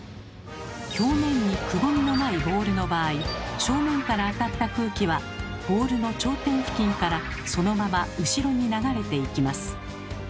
表面にくぼみのないボールの場合正面から当たった空気はボールの頂点付近からそのまま後ろに流れていきます。